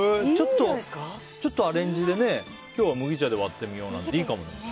ちょっとアレンジでね今日は麦茶で割ってみようなんていいかもね。